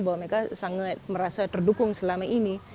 bahwa mereka sangat merasa terdukung selama ini